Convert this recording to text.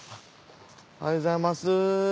おはようございます。